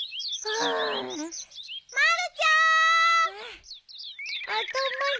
うん。